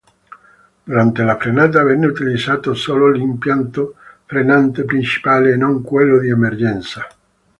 Durante la frenata venne utilizzato solo l'impianto frenante principale e non quello di emergenza.